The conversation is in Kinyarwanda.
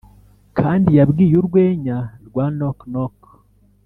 kandi yabwiye urwenya rwa "knock knock".